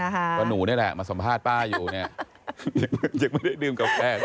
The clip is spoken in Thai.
ก็หนูนี่แหละมาสัมภาษณ์ป้าอยู่เนี่ยยังไม่ได้ดื่มกับแฟน